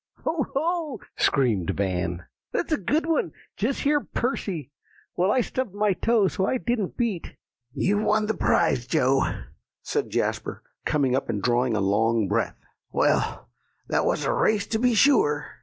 "Ho, ho!" screamed Van, "that's a good one; just hear Percy. Well, I stubbed my toe, so I didn't beat." "You've won the prize, Joe," said Jasper, coming up and drawing a long breath. "Well, that was a race, to be sure."